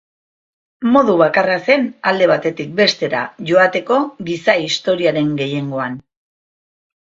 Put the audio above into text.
Modu bakarra zen alde batetik bestera joateko giza-historiaren gehiengoan.